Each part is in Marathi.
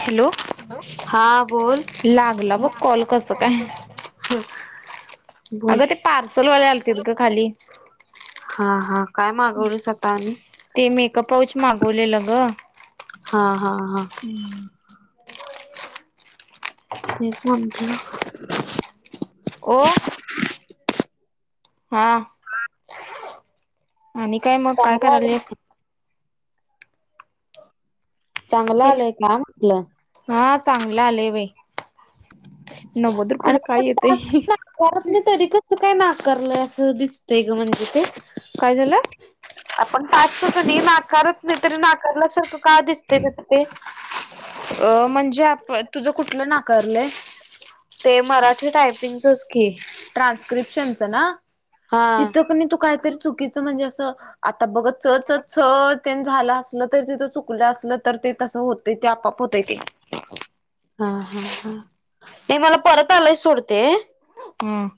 हॅलो हा बोल. लागला बघ कॉल कसं काय बोल अगं ते पार्सलवाले आलतीत ग खाली. हा हा काय मागवलंस आता आणि ते मी एक पाऊच मागवलेलं ग. हा, हा, हा. तेच म्हणटलं. ओ. हा. [unintelligible] आणि काय मग काय चांगलं आलंय करायलिस? चांगलं आलंय ना आपलं. चांगला आलेयं बाई. नव्वद आणि रुपययाला काय आपण टास्क येतयं. नाकारत नाही तरी कसं काय नाकारलंय असं दिसतय ग म्हणजे ते काय झालं? आपण टास्क कनी नाकारत नाही तरी नाकारल्यासारखं का दिसते तस ते? अ म्हणजे आप तुझं कुठलं नाकारलंय? ते मराठी टायपिंगचस की. ट्रान्स्क्रिपशनच ना? हा तिथं कनी तू काहीतरी चुकीच म्हणजे अस - - आता बघ च च छ - - तेन झालं असलं तर तिथं चुकलं असलं तर ते तसं होतं ते आपाआप होतय ते. हा, हा, हा. ते मला परत आलय सोड ते. हम्.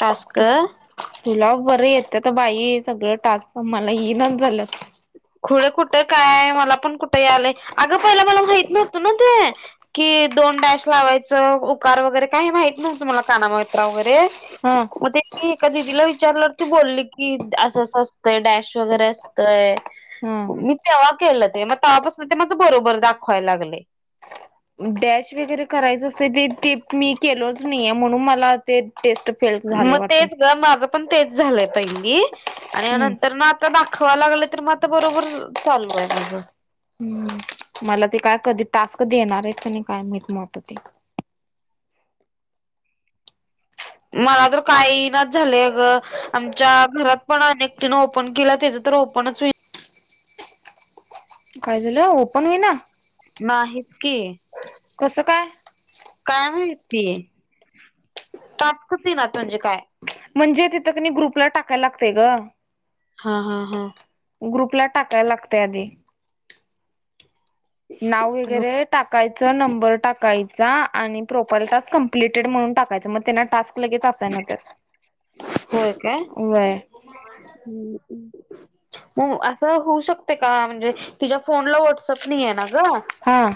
टास्क तु तुला बरे ये [unintelligible] बाई सगळं टास्क मला इनाच झाल्यात. खुळे कुठं काय? मला पण कुठं यालय? अगं पहिला मला माहित नव्हतं नव ते की दो दोन डॅश लावायचं. उकार वगैरे काही माहित नव्ह मला कानामात्रा वगैरे हा मग तेच की कधी दिला वि [unintelligible] विचारल्यावर ती बोलली की असं असं असतंय डॅश वगैरे असतंय हा मी तेव्हा केलं ते म तेव्हापासून ते माझ बरोबर दाखवायला लागले डॅश वगैरे करायचं असतय ते टिप मी केलोच नाहीये म्हणून मला ते टेस्ट फेल झाले मग वाटतं तेच ग माझ पण तेच झालय पहिली आणि हम्म नंतर आता दाखवायला लागल तर म आता बरोबर चालू आहे माझ हम्म मला ते काय कधी टास्क देणार आहेत की नाही काय माहित मत आता ते मला तर काही ई नाच झालं अ ग आमच्या घरात पण अनेक एकटीन ओपन केल्या तीज तर ओपणच हो काय झालं ओपन होई ना नाहीच की कसं काय? काय माहिती टास्कच येईनात म्हणजे काय म्हणजे तिथं कनि ग्रुपला टाकायला लागतय ग हा हा हा ग्रुपला टाकायला लागतय आधी नाव वगैरे टाकायचं. नंबर टाकाय - - [unintelligible] आणि प्रोफाइल टास्क कंप्लीटेड म्हणून टाकायचं मग त्याना टास्क - - लगेच असायन हुत्यात. होय काय व्हयं ग [unintelligible] अस होऊ शकतय का म्हणजे तिज्या फोनला व्हॉट्सअप नाही आहे [unintelligible] न ग हा.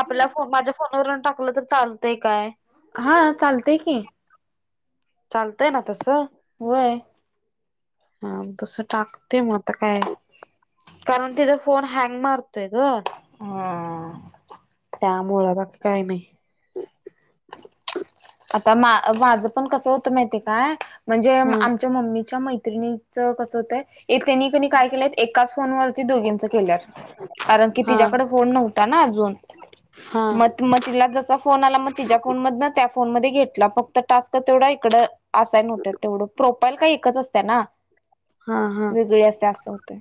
आपल्या फोन माझ्या फोनवर टाकलं तर चालतय काय हा चालतय की चालतय ना तसं वय हा तस टाकते मग आता काय कारण तिचा फोन हँग मारतोय ग हम [unintelligible] त्यामुळ बाकी काय नाही आता मा माझं पण कसं होतं माहितीे काय म्हणजे हा आमच्या मम्मीच्या म [inaudible] कस होतय त्यानी कणी काय केलंय एकाच फोनवर दोघींच केल्यात कारण की हा तिच्याकड फोन नव्हता ना अजून हा मत मत तिला जसा फोन आला मग तिच्या फोन मधन त्या फोन मध्ये घेतला फक्त टास्क तेवढा इकड असायन तेवढ प्रॉप ल का [unintelligible] एकच असत्या ना हा हा वेगळी असत्या असं होतय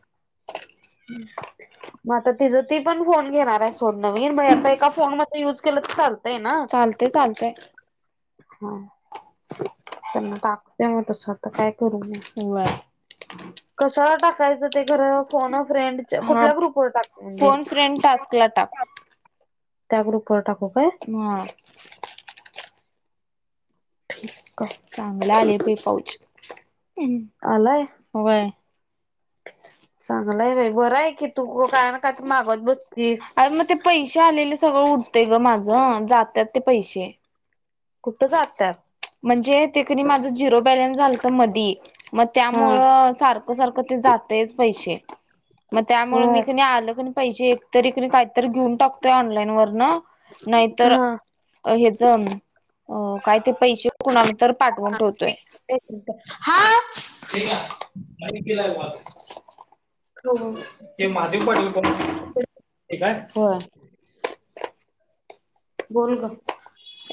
मग आता तिझ ती पण फोन घेणार आहे सोड नवीन आ [unintelligible] एका फोन मध्ये यूज केलंच चाल [unintelligible] चालतेय चालतय हा त्यांना टाकूतेव [unintelligible] तसं आता काय करू मी व्हय. कशाला टाकायचं ते र [unintelligible] फोन फ्रेंडचे हा कुठल्या ग्रुपवर टाकते म्हणजे फोन फ्रेंड टास्कला टाक. त्या ग्रुपवर टाकू काय हा ह [unintelligible] चांगलं आले ते पाऊच हम् आलाय. वय चांगलाय बाई बरं आहे कि तू काय ना कायतर मागत बस अर मग ते पैसे आलेले सगळं उठतय [unintelligible] ग माझं जात्यात ते पैसे कुठं जात्यात म्हणजे ते कध माझं झिरो बॅलन्स झालत मधी मग हा त्यामुळं सारखं सारखं ते जात आहेच पैसे मग त्यामुळे मी होय कणी आलं क पैसे एकतरीी काहीतरी घेऊन टातोय ऑनलाईन वर न नाहीतर हा. काय पैसे कुणाला तर पाठवून ठेवतोय ठीक आहे मा केला हो ते महाधव पाटल पण काय हो बोल ग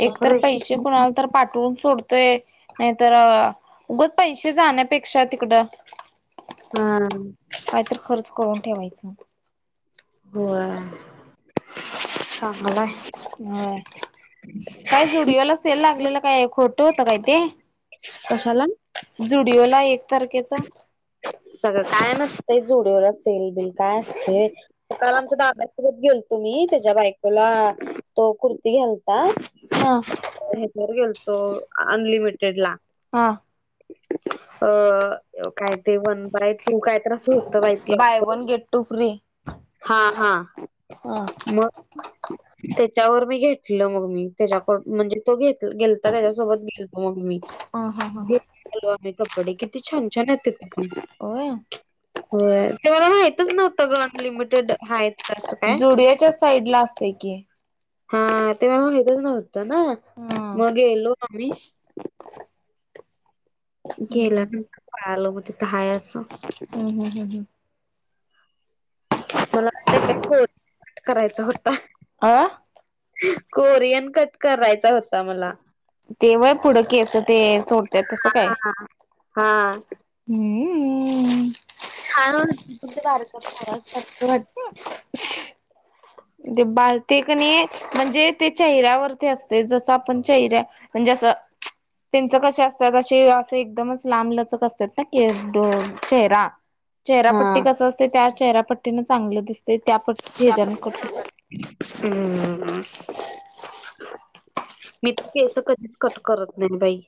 एक तरर पैसे कुणाल तर पाठवून सोडत नाही तरर उगच पैसे जाण्यापेक्षा तिकडं हा कायत खर्च करून ठेवायचं हो होय काय जुडिओला असेल लागलेलं काय खोटं होत काय ते कशाला जुडिओ ला एक तारखेचा सगळं काय नसतंय जुडओला सेल बिल काय असते सकाल आमच्या दाद्यासोबत गेल तुम्ही त्याच्या बायकोला तो कुर्ती घाल ह ह्याच्यावर गेलतो अनलिमिटेड ला हा अ कायदे वन बाय तू काय त्रास होत buy one get two free हा हा ह मग त्याच्यावर मी घेतलं मग मी त्याच्याक म्हणजे तो घ गेलता त्याच्यासोबत गेलतो मग मी ह हा हा घेऊन आलो आम्ही कपडे किती छान छान आहेत का अ हो ते मला माहितच नव्हतं ग अनलिमिटेड आहेत असं काय जोडियाच्या साईड ला असते की हा ते म माितच नव्हतं ना हा मग गेलो आणि हम्म गेल्या हम्म नंतरळा आलं म तिथं हय असं ह ह ह ह मला त्या काही कोर्सठ करायचा होता आह कोरियन कट करायचा होता मला तेव्हाय पुढं की असं ते सोडतय तसं काय हा हा हम्म ह दुद्धवार क सबत वा ते बा ते कणी म्हणजे ते चेहऱ्यावरती असते जसं आपण चेहऱ्या म्हणजे तर त्यांचं कसे असतात असे असे एकदमच लांब लचक असतात ना क चेहरा हा चेहरापट्टी कस असते त्या चेहरापट्टीन चांगलं दिसते त्या पट्टी हेज्या क हम्म मी तर केस कधीच कट करत नाही बाई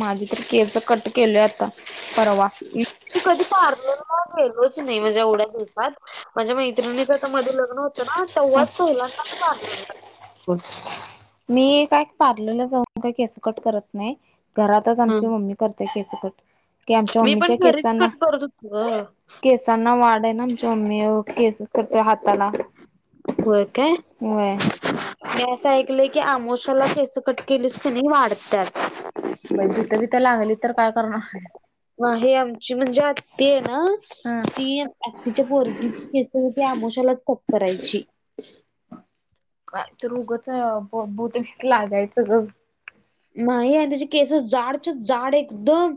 माझे तरी केस तर कट केलेय आता परवा ती कधी पारल गेलोच नाही म्हणझ्या उड्या दि होतात माझ्या मैत्रिणीच आता मध्ये लग्न होत ना तेववाच पहिलांना नाही बधलं मी काय पार्लरला जाऊन काही केसकट करत नाही घरातच हा आमची मम्मी करतेय केसकट की आमच्या मी पण मम्मीच्या घरीच केसांना कट करत होतो ग. केसांना वाट आमच्या मम्मी केस करते हाताला होळ का होय ऐकलं की आमोशाला केस कट केलीस त्यांनी वाढतात बई भूतभीत लागली तर काय करणार आहे आमची म्हणजे आत्ती आहे ह हा ती आत् तच्या पोरगी केस आमोशालाच कप करायची काय तर रोगच भूत लागायचं नाही आहे त्याच्या केसस जाडच जाड एकदम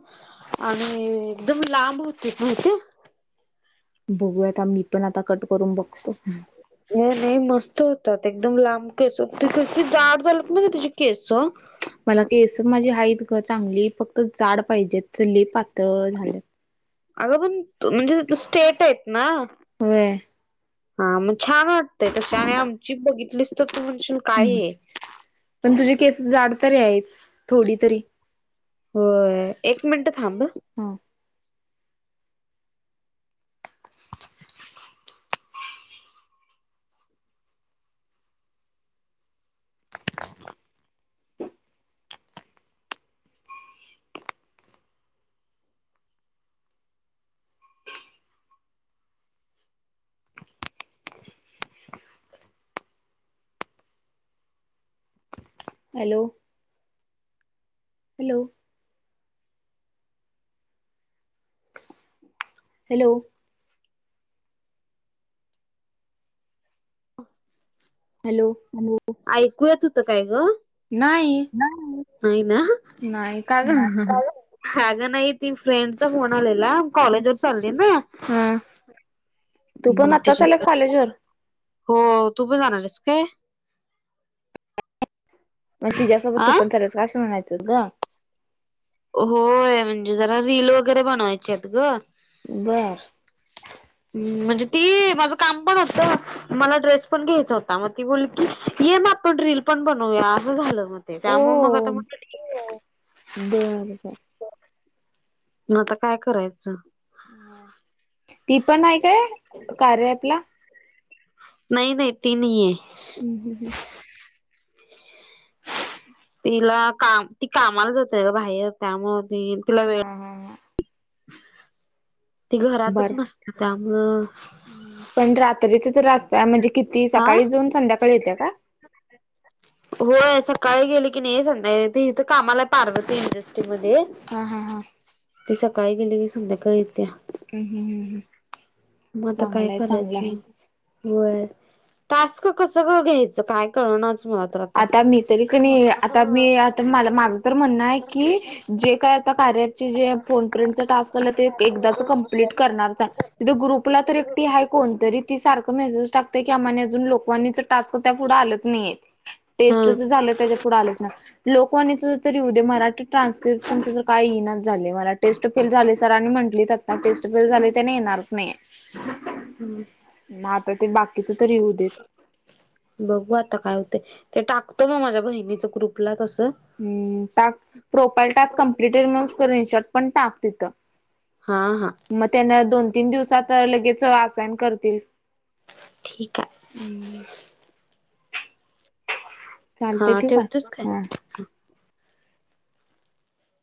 आणि एकदम लांब क पचे ह बघूयाता मी पण आता कट करून बघतो नाही नाही मस्त होतात एकदम लांब केस त कस जाड झालत ना त्याची केस मला केस माझे आहेत ग चांगली फक्त जाड पाहिजेत चली पातळ झाले अग पण म्हणजे स्टेट आहेत ना होय हा मग छान वाटतय तस आणि आमची बघितलीच तर तू म्हणशील काय हम् हे पण तुझी केसेस जाड तरी आहेत थोडी तरी. हो एक मिनट थांब हा हॅलो हॅलो हॅलो हॅलो ऐकूयाेत होत काय ग नाही ह नाही का ग नाही त फ्रेंडचा फोन आ कॉलेज वर चालली ना हा तू पण मग आताच आलेस त्याच्यासाठी कॉलेजवरर हो तू पण जाणारस काय तिच्याबरोबर आ तू पण करायचं होतं असं म्हणायचं होतं ग होय म्हणजे जरा रील वगैरे बनवायचे आहेत ग बर म्हणजे ती माझं काम पण होतं मला ड्रेस पण घ्यायचा होता मग ती बोलली की ये म आपण रील पण बनवूया असं झालं हो ते त्यामु मग आता ओ म बर बर न आता काय करायचं ती पण आहे काय कार्यापला नाही नाही तीनही आहे हम्म हम् हम् तिला काम ती कामाला जातय ग बाहेर त्यामु हा हा ह त घरातच नसत त्यामुळं पण रात्रीच तर रास्ता म्हणजे किती हा सकाळी जाऊन संध्याकाळी येते का होय सकाळी गेली की नाही संध्या इथ कामाला पार्वतीस म हा हा हा. क सकाळी गेले की संध्याका हम्म हम्म हम्म मग आता काय चांगलंय चांगलंय. करायचं व्हय टास्क कस ग घ्यायचं काय कळणाचं. आता मी तरी कणी आता मी आता म माझं तर म्हणणं आहे की जे काय... तर कार्य [unintelligible] ते जे फोन फ्रेंडचा टास्क आलाय ते एकदाच कम्प्लीट करणारच हाय. तिथं ग्रुपला तर एकटी हाय कोण कोणतरी ती सारखं मेसेज टाकतं की आम्हानी अजून लोकवानीचं टास्क त्या पुढं आलंच नाहीये. हा टेस्टचं झालं त्याच्या पुुढं आलंच नाई लोकवाणीचं तरी होऊ दे मराठी.. ट्रान्सस्क्रीप्शनचं तर काय येईना झा झाली मला टेस्ट फेल झाली सरांनी म्हंटलीत आता टेस्ट फेल झालीत त्यांनी येणारच नाहीये. म आता तें न्हवं.. बघू आता काय होतं ते टाकतो म माझ्या बहिणीच्या ग्रुपला.. तसं हम् टाक प्रोफाईल टास्क कम्प्लिटेड म्हणून स्क्रीनशॉट पण टाक तिथं. हा हा मग त्यांना दोन तीन दिवसात लगेच आसायन करतील. ठीक आहे. हम्म हा चालते ठेवू का? ठेवतेस हा. काय?